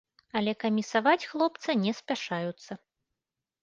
Але камісаваць хлопца не спяшаюцца.